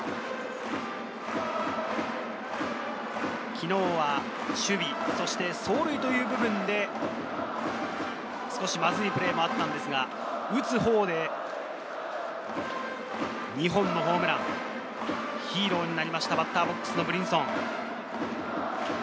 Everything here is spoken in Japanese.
昨日は守備、そして走塁という部分で、少しまずいプレーもあったんですが、打つほうで２本のホームラン、ヒーローになりましたバッターボックスのブリンソン。